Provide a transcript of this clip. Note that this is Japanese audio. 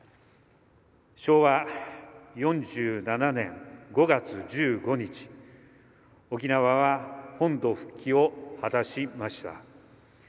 昭和４７年５月１５日沖縄は本土復帰を果たしました。